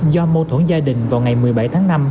do mâu thuẫn gia đình vào ngày một mươi bảy tháng năm